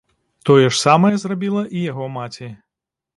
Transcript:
Тое ж самае зрабіла і яго маці.